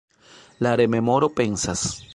La remoro pensas: